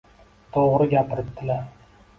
To`g`ri, gapiribdilar